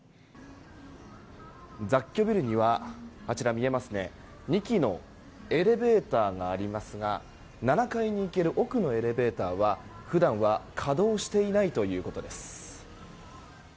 雑居ビルには２基のエレベーターがありますが７階に行ける奥のエレベーターは普段は稼働していないということです。